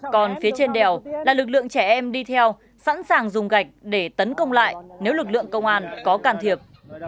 còn phía trên đèo là lực lượng trẻ em đi theo sẵn sàng dùng gạch để tấn công lại nếu lực lượng công an có can thiệp